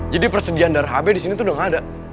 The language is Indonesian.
jadi persediaan darah ab disini tuh udah gak ada